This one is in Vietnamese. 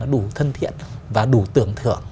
đủ thân thiện và đủ tưởng thưởng